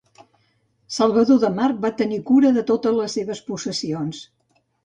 Salvador de March va tenir cura de totes les seves possessions.